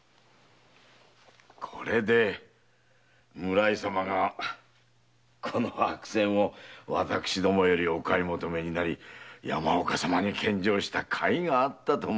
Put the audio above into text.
これで村井様がこの白扇を私どもよりお買い求めになり山岡様に献上した甲斐があったと申すもの。